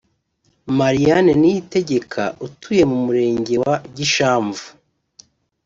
Mariane Niyitegeka utuye mu murenge wa Gishamvu